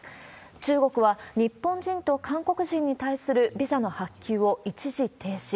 中国は、日本人と韓国人に対するビザの発給を一時停止。